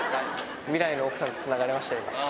未来の奥さんとつながりましたよ、今。